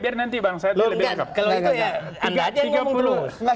biar nanti bang said lebih lengkap